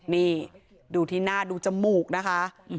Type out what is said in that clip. นี่ดูที่หน้าดูจมูกนะคะ